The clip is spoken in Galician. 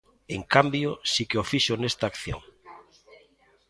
En cambio, si que o fixo nesta acción.